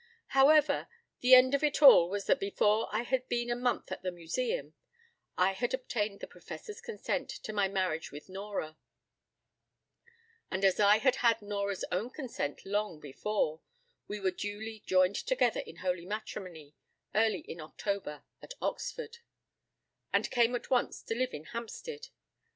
p> However, the end of it all was that before I had been a month at the Museum, I had obtained the Professor's consent to my marriage with Nora: and as I had had Nora's own consent long before, we were duly joined together in holy matrimony early in October at Oxford, and came at once to live in Hampstead.